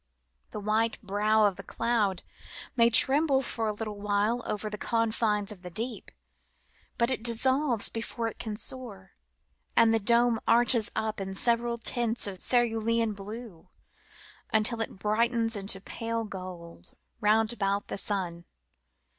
The white brow of a cloud may tremble for a little while over the confines of the deep ; but it dissolves before it can soar, and the dome arches up in several tints of cerulean blue until it brightens into pale gold round about the sun.